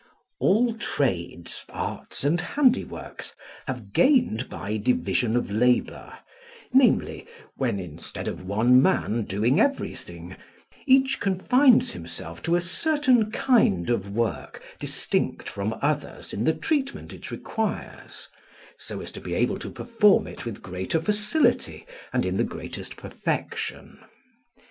All trades, arts, and handiworks have gained by division of labour, namely, when, instead of one man doing everything, each confines himself to a certain kind of work distinct from others in the treatment it requires, so as to be able to perform it with greater facility and in the greatest perfection.